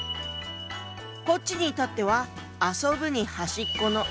こっちに至っては「遊ぶ」に端っこの「端」で「遊端」。